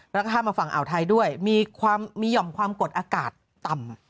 แล้วก็ข้ามมาฝั่งอ่าวไทยด้วยมีหย่อมความกดอากาศต่ำ